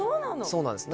そうなんです